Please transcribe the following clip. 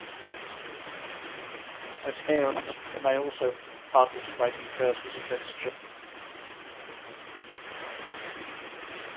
Adherents may also participate in curses against churches.